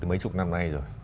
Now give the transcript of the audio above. mấy chục năm nay rồi